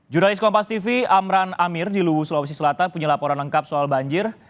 jurnalis kompas tv amran amir di luwu sulawesi selatan punya laporan lengkap soal banjir